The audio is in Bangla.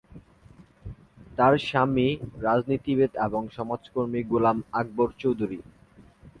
তার স্বামী রাজনীতিবিদ এবং সমাজকর্মী গোলাম আকবর চৌধুরী।